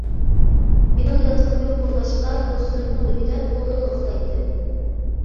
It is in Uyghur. مېنىڭ ياتىقىم يوق بولغاچقا دوستلىرىمنىڭ ئۆيىدە پولدىلا ئۇخلايتتىم.